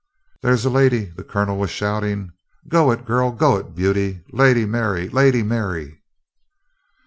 "There's a lady," the colonel was shouting. "Go it, girl. Go it, beauty. Lady Mary! Lady Mary!"